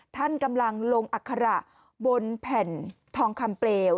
ท่านกำลังลงอัคระบนแผ่นทองคำเปลว